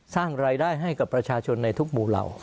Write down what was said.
สร้างรายได้ให้กับประชาชนในทุกหมู่เหล่า